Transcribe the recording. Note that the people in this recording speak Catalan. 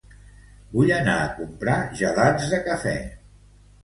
Vull anar a comprar gelats de cafè